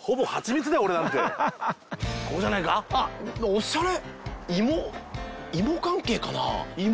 おしゃれ！